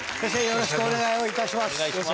よろしくお願いします。